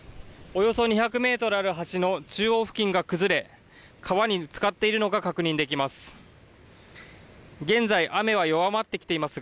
およそ２００メートルある橋の中央付近が崩れ、川につかっているのが確認できます。